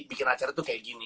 bikin acara tuh kayak gini